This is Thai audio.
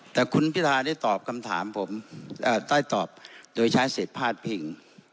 แต่คุณพิทาได้ตอบคำถามผมใต้ตอบโดยใช้สิทธิ์พลาดพิง